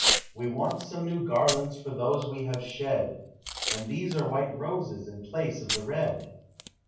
We want some new garlands for those we have shed,— And these are white roses in place of the red.